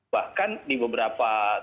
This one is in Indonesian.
bahkan di beberapa